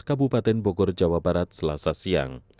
kabupaten bogor jawa barat selasa siang